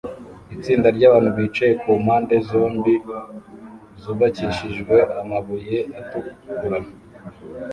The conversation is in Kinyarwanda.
Itsinda ryabantu bicaye kumpande zombi zubakishijwe amabuye atukura